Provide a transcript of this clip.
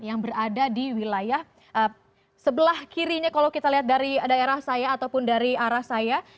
yang berada di wilayah sebelah kirinya kalau kita lihat dari daerah saya ataupun dari arah saya